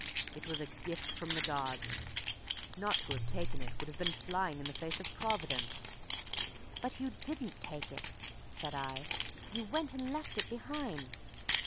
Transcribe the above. It was a gift from the gods; not to have taken it would have been flying in the face of Providence." "But you didn't take it," said I. "You went and left it behind."